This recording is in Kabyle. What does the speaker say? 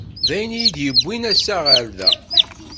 D ayen i yi-d-yewwin assa ɣer da.